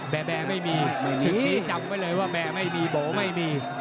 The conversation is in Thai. แบร์แบร์ไม่มีสุดที่จำไว้เลยว่าแบร์แบร์ไม่มีโบ๊ะแบร์ไม่มี